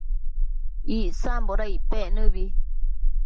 Icsamboda icpec nëbi?